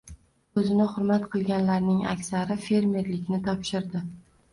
— o‘zini hurmat qilganlarning aksari fermerlikni topshirdi.